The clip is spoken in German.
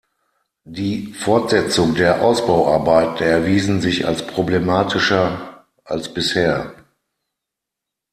Die Fortsetzung der Ausbauarbeiten erwiesen sich als problematischer als bisher.